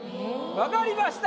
わかりました。